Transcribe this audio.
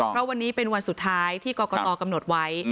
เพราะวันนี้เป็นวันสุดท้ายที่กรกตกำหนดไว้